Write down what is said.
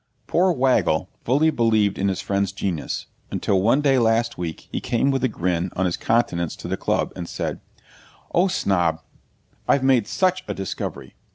Poor Waggle fully believed in his friend's genius, until one day last week he came with a grin on his countenance to the Club, and said, 'Oh, Snob, I've made SUCH a discovery!